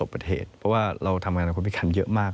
เขาทำงานกับคนพิการเยอะมาก